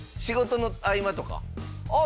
仕事の合間とか。